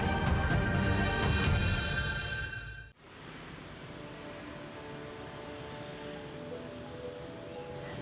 berkutit bolehan rakia jakari prok turis